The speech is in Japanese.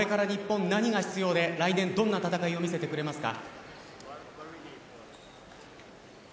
これから日本何が必要で来年どんな戦いを見せてくれますか。